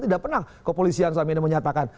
tidak pernah kepolisian menyatakan